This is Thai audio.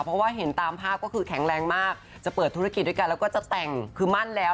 เพราะว่าเห็นตามภาพก็คือแข็งแรงมากจะเปิดธุรกิจด้วยกันแล้วก็จะแต่งคือมั่นแล้ว